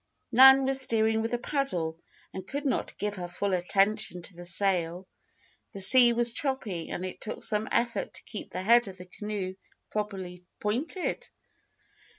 '" Nan was steering with a paddle and could not give her full attention to the sail. The sea was choppy and it took some effort to keep the head of the canoe properly pointed.